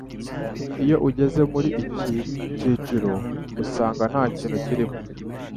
Iyo ugeze muri iki cy'iciro usanga ntakintu kirimo